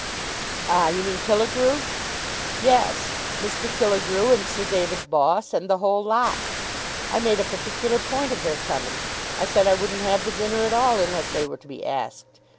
"Ah; you mean Killegrew." "Yes; Mr. Killegrew and Sir David Boss, and the whole lot. I made a particular point of their coming. I said I wouldn't have the dinner at all unless they were to be asked.